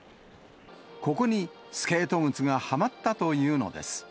ここにスケート靴がはまったというのです。